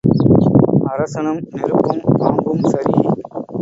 அரசனும் நெருப்பும் பாம்பும் சரி.